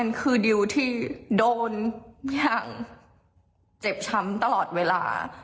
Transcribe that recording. มันคือดิวที่โดนอย่างเจ็บช้ำตลอดเวลา